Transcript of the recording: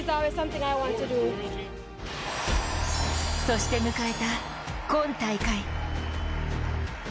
そして迎えた今大会。